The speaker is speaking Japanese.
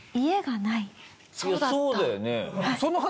いやそうだよね。